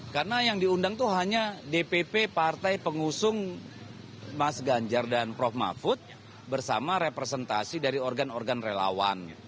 karena yang diundang itu hanya dpp partai pengusung mas ganjar dan prof mafud bersama representasi dari organ organ relawan